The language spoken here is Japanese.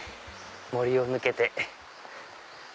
森を抜けて。